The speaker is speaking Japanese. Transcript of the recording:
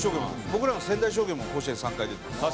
僕らの仙台商業も甲子園３回出てます。